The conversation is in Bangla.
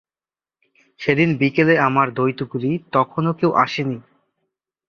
সেদিন বিকেলে আমার দ্বৈতগুলি তখনো কেউ আসে নি।